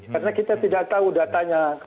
karena kita tidak tahu datanya